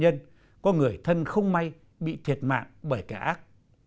nên có người thân không may bị thiệt mạng bởi cái ác